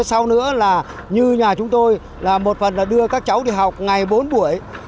sau nữa là như nhà chúng tôi là một phần là đưa các cháu đi học ngày bốn tuổi